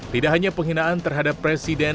tidak hanya penghinaan terhadap presiden